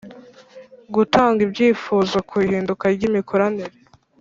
Gutanga ibyifuzo ku ihinduka ry’imikoranire